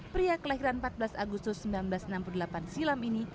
pria kelahiran empat belas agustus seribu sembilan ratus enam puluh delapan silam ini